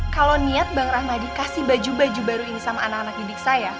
kalau niat bang rahmadi kasih baju baju baru ini sama anak anak didik saya